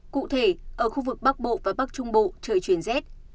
cụ thể ở khu vực bắc bộ và bắc trung bộ trời chuyển rét